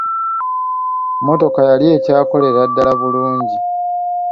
Mmotoka yali ekyakolera ddala bulungi.